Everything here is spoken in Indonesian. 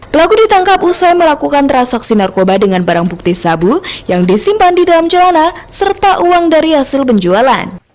pelaku ditangkap usai melakukan transaksi narkoba dengan barang bukti sabu yang disimpan di dalam celana serta uang dari hasil penjualan